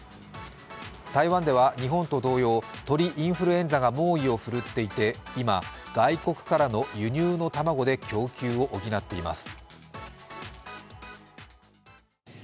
台湾では日本と同様、鳥インフルエンザが猛威を振るっていて今、外国からの輸入の卵で供給を補っています。